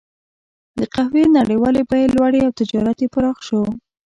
د قهوې نړیوالې بیې لوړې او تجارت یې پراخ شو.